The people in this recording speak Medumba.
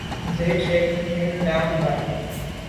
Nze ntshwèt ghù bag nda’ mbà.